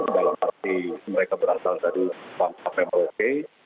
dalam arti mereka berasal dari pangkat mlk